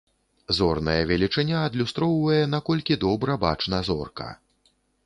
Зорная велічыня адлюстроўвае, наколькі добра бачна зорка.